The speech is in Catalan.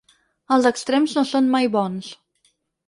Els extrems no són mai bons.